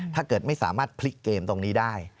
ถ้าเกิดไม่สามารถพลิกเกมตรงนี้ได้